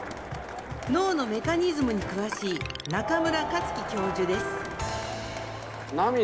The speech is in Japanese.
脳のメカニズムに詳しい中村克樹教授です。